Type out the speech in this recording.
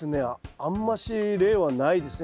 あんまし例はないですね。